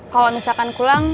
kalau misalkan kulang